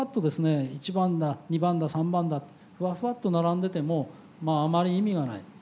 １番だ２番だ３番だってふわふわっと並んでてもあまり意味がない。